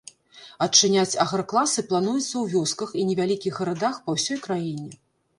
Адчыняць агракласы плануецца ў вёсках і невялікіх гарадах па ўсёй краіне.